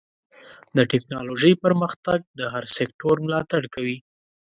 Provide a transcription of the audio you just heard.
د ټکنالوجۍ پرمختګ د هر سکتور ملاتړ کوي.